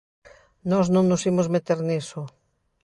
Nós non nos imos meter niso.